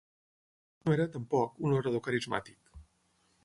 No era, tampoc, un orador carismàtic.